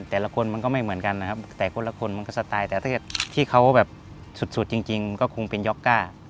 แต่ละคนมันก็ไม่เหมือนกันนะครับแต่คนละคนมันก็สไตล์แต่ถ้าเกิดที่เขาแบบสุดจริงก็คงเป็นย็อกก้า